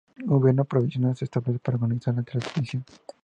Un gobierno provisional se establece para organizar la transición.